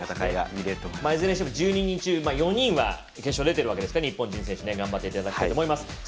いずれにしても１２人中４人は決勝出ているわけですから日本人選手、頑張っていただきたいと思います。